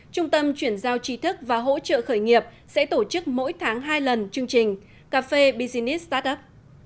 trung tâm chuyển giao trí thức và hỗ trợ khởi nghiệp sẽ tổ chức mỗi tháng hai lần chương trình cafe business startup